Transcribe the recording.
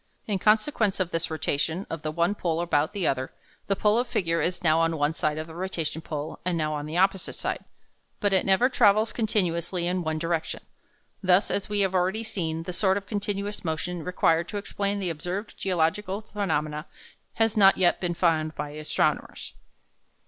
In consequence of this rotation of the one pole about the other, the pole of figure is now on one side of the rotation pole and now on the opposite side, but it never travels continuously in one direction. Thus, as we have already seen, the sort of continuous motion required to explain the observed geological phenomena has not yet been found by astronomers.